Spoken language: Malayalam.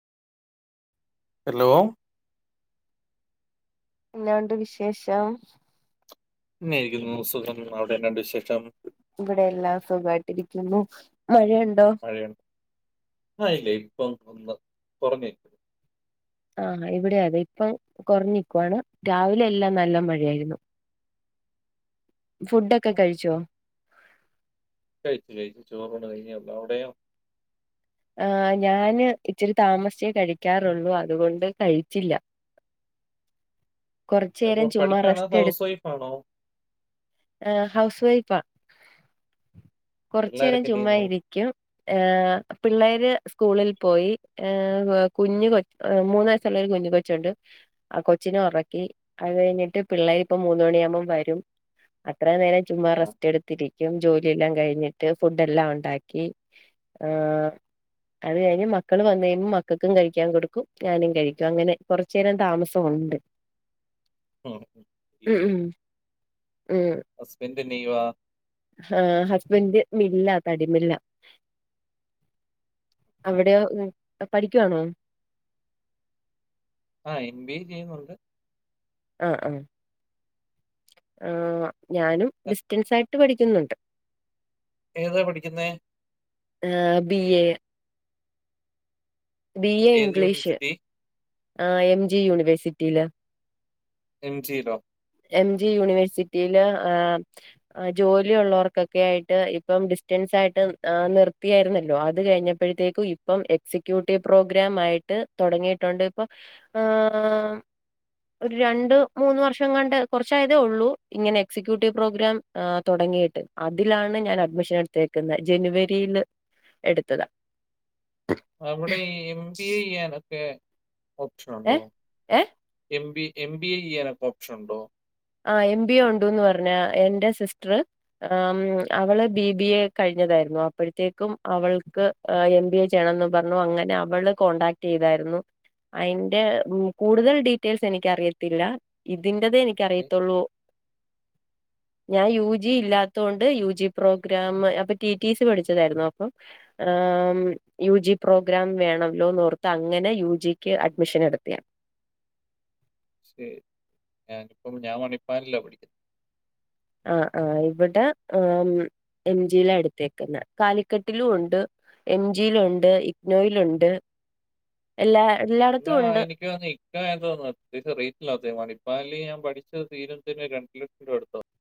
ഹലോ എന്നാണ്ട് വിശേഷം. ചുമ്മായിരിക്കുന്നു സുഖം, അവിടെ എന്നാണ്ട് വിശേഷം? ഇവിടെ എല്ലാം സുഖായിട്ടിരിക്കുന്നു, മഴയുണ്ടോ? മഴയോ, ആഹ് ഇല്ല ഇപ്പം ഒന്ന് കൊറഞ്ഞ്. ആഹ് ഇവിടെ അതെ ഇപ്പം കൊറഞ്ഞ് നിക്കുവാണ്, രാവിലെ എല്ലാം നല്ല മഴയായിരുന്നു. ഫുഡ്‌ ഒക്കെ കഴിച്ചോ? കഴിച്ചു കഴിച്ചു ചോറുണ് കഴിഞ്ഞേള്ളൂ, അവിടെയോ? ആഹ് ഞാന് ഇച്ചിരി താമസിച്ചേ കഴിക്കാറുള്ളൂ അതുകൊണ്ട് കഴിച്ചില്ല. കുറച്ചു നേരം ഏഹ് ചുമ്മാ പഠിക്കണോ, റെസ്റ്റ് അതോ ഹൗസ് വൈഫ് ആണോ? ഏഹ് ഹൗസ് വൈഫാ. കൊറച്ച് നേരം പിള്ളേരൊക്കെ എന്ത് ചെയ്യുന്നു ചുമ്മായിരിക്കും, ഏഹ് പിള്ളേര് സ്കൂളിൽ പോയി. ഏഹ് കുഞ്ഞ് കൊ മൂന്ന് വയസ്സുള്ള ഒരു കുഞ്ഞ് കൊച്ചുണ്ട്. ആഹ് കൊച്ചിനെ ഉറക്കി, അത് കഴിഞ്ഞിട്ട് പിള്ളേര് ഇപ്പ മൂന്ന് മണിയാകുമ്പം വരും. അത്രം നേരം ചുമ്മാ ആ, റെസ്റ്റ് എടുത്തിരിക്കും ജോലിയെല്ലാം കഴിഞ്ഞിട്ട് ഫുഡ് എല്ലാം ഉണ്ടാക്കി ഏഹ് അത് കഴിഞ്ഞ് മക്കൾ വന്ന് കഴിയുമ്പോ മക്കൾക്കും കഴിക്കാൻ കൊടുക്കും ഞാനും കഴിക്കും അങ്ങനെ കൊറച്ച് നേരം താമസമുണ്ട് ഉം, ഉം. ഈ ഉമ് ഉമ് ഉമ് ഹസ്ബൻഡ് എന്തെ യ്യുവാ ആഹ് ഹസ്ബൻഡ് മില്ലാ തടിമില്ല അവിടെയോ പഠിക്കുവാണോ ആഹ് എം ബി എ ചെയ്യുന്നുണ്ട് ആഹ് ആഹ് ആ ഞാനും ഡിസ്റ്റൻസ് ആയിട്ട് പഠിക്കുന്നുണ്ട് ഏതാ പഠിക്കുന്നേ ഏഹ് ബി എ ബി എ ഏത് ഇംഗ്ലീഷ് യൂണിവേഴ്സിറ്റി ആഹ് എം ജി യൂണിവേഴ്സിറ്റിയില്ല് എം ജി യില്ലോ എം ജി യൂണിവേഴ്സിറ്റിയില്ല് ആഹ് ജോലി ഉള്ളവർക്കൊക്കെ ആയിട്ട് ഇപ്പം ഡിസ്റ്റൻസ് ആയിട്ട് നിർത്തിയായിരുന്നല്ലോ അത് കഴിഞ്ഞപ്പോഴത്തേക്ക് ഇപ്പം എക്സിക്യൂട്ടീവ് പ്രോഗ്രാം ആയിട്ട് തൊടങ്ങിയിട്ടുണ്ട് ഇപ്പം ആഹ് ആഹ് ഒരു രണ്ട് മൂന്ന് വർഷം ങ്ങാണ്ട് കുറച്ചായതേ ഉള്ളൂ ഇങ്ങനെ എക്സിക്യൂട്ടീവ് പ്രോഗ്രാം തൊടങ്ങീട്ട് അതിലാണ് ഞാൻ അഡ്മിഷൻ എടു തേക്കുന്നേ ജനുവരിയിയിൽ എടുത്തതാ അവിടെ ഈ എം ബി എ ചെയ്യാനൊക്കെ ഓപ്ഷൻ ഉണ്ടോ ഏഹ് ഏഹ് M B M B A ചെയ്യാനൊക്കെ ഓപ്ഷൻ ഉണ്ടോ ആഹ് എം ബി എ ഉണ്ടുന്ന് പറഞ്ഞ എന്റെ സിസ്റ്റർ ആമ് അവള് ബി ബി എ കഴിഞ്ഞതായിരുന്നു അപ്പോഴത്തേക്കും അവൾക്ക് എം ബി എ ചെയ്യണന്ന് പറഞ്ഞു അങ്ങനെ അവൾ കോൺടാക്ട് ചെയ്തായിരുന്നു അയിന്റെ കൂടുതൽ ഡീറ്റെയിൽസ് എനിക്ക് അറിയത്തില്ല ഇതിന്റെതേ എനിക്ക്റിയ ഓക്കെ ഉള്ളൂ ഞാൻ യു ജി ഇല്ലാത്തൊണ്ട് യു ജി പ്രോഗ്രാം അപ്പം ടി ടി സി പഠിച്ചതായിരുന്നു അപ്പം ആഹ്‌ മ് യു ജി പ്രോഗ്രാം വേണല്ലോനോർത്ത് അങ്ങനെ യു ജിക്ക് അഡ്മിഷൻ എടുത്തയാ ശരി ഞാനിപ്പം ഞാൻ മണിപ്പാലില്ല പഠിക്കുന്നത് ആഹ് ആഹ് ഇവിടെ ആഹ് എം ജിയില്ല എടുത്തേക്കന്നെ കാലിക്കട്ടിലും ഉണ്ട് എം ജി യിലുണ്ട് ഇഗ്നോയിലുണ്ട് എല്ലാ ഇക്നോ എല്ലായിടത്തും ഉണ്ട് എനിക്ക് തോന്നുന് ഈ ആണ് തോന്നുഅത്യാശം റേറ്റിലാത്തത് മണിപ്പാല്ല് ഞാൻ പഠിച്ച [unintelligible] രണ്ടണ്ട് ലക്ഷം രൂപ എടുത്തോ